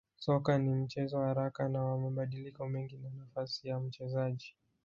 Soka ni mchezo wa haraka na wa mabadiliko mengi na nafasi ya mchezaji